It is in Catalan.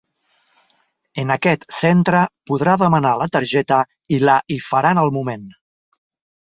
En aquest centre podrà demanar la targeta i la hi faran al moment.